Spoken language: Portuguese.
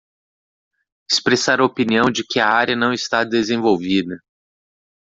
Expressar a opinião de que a área não está desenvolvida